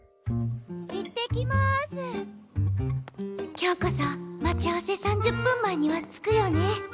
今日こそ待ち合わせ３０分前には着くよね。